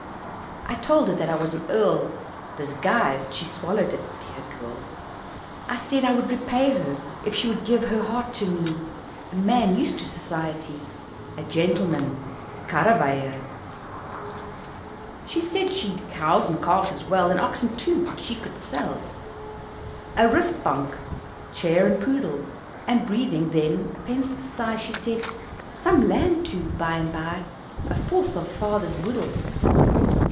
I told her that I was an Earl Disguised she swallowed it, dear girl I said I would repay her, If she would give her heart to me, A man used to society, A gentleman "Karreweijer." She said she'd cows and calves as well, And oxen too, which she could sell A "rustbank" chair and poodle, And breathing then a pensive sigh She said, "some land too, by and by, A fourth of father's boedel."